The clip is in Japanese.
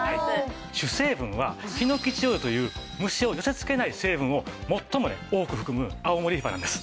主成分はヒノキチオールという虫を寄せ付けない成分を最も多く含む青森ヒバなんです。